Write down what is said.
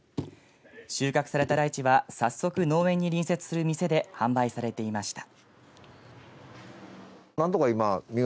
収穫されたライチは早速、農園に隣接する店で販売されていました。